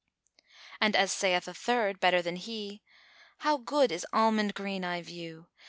And as saith a third better than he, "How good is Almond green I view!